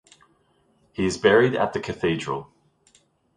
He is buried at the cathedral.